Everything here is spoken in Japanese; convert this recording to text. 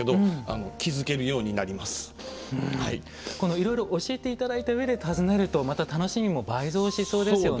いろいろ教えて頂いた上で訪ねるとまた楽しみも倍増しそうですよね。